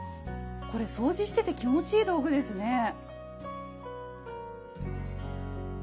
これ掃除してて気持ちいい道具ですね。